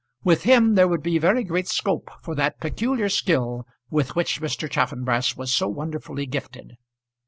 With him there would be very great scope for that peculiar skill with which Mr. Chaffanbrass was so wonderfully gifted.